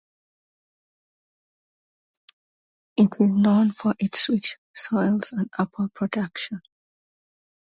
It is known for its rich soils and apple production.